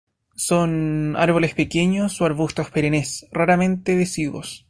Son árboles pequeños o arbustos perennes, raramente deciduos.